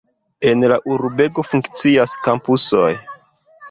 En la urbego funkcias kampusoj.